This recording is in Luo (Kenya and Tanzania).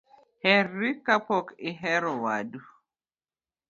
Herri kapok ihero wadu